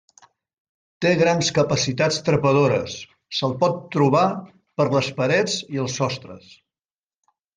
Té grans capacitats trepadores: se'l pot trobar per les parets i els sostres.